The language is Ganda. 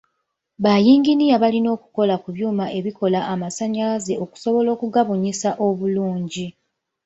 Ba yinginiya balina okukola ku byuma ebikola amasannyalaze okusobola okugabunyisa obulungi.